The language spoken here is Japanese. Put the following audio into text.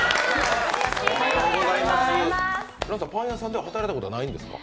Ｒａｎさんパン屋さんでは働いたことないんですか？